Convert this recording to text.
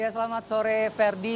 selamat sore ferdi